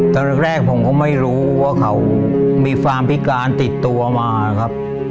ตอนแรกผมก็ไม่รู้ว่าเขามีความพิการติดตัวมาครับ